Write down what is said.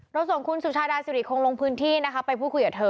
ส่งคุณสุชาดาสิริคงลงพื้นที่นะคะไปพูดคุยกับเธอ